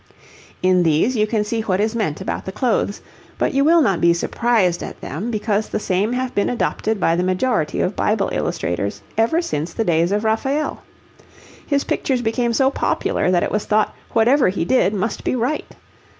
In these you can see what is meant about the clothes, but you will not be surprised at them, because the same have been adopted by the majority of Bible illustrators ever since the days of Raphael. His pictures became so popular that it was thought whatever he did must be right.